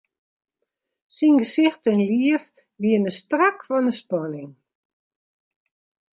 Syn gesicht en liif wiene strak fan 'e spanning.